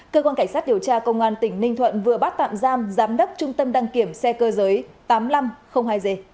cơ quan cảnh sát điều tra công an tỉnh ninh thuận vừa bắt tạm giam giám đốc trung tâm đăng kiểm xe cơ giới tám nghìn năm trăm linh hai g